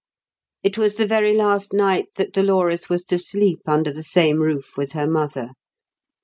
It was the very last night that Dolores was to sleep under the same roof with her mother.